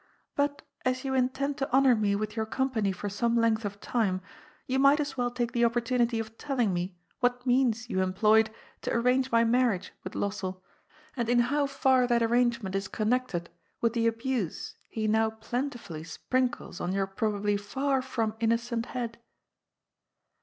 " But, as you intend to honour me with your company for some length of time, you might as well take the opportunity of telling me what means you em ployed to arrange my marriage with Lossell, and in how far that antingement is connected with the abuse he now plentifully sprinkles on your probably far from innocent head."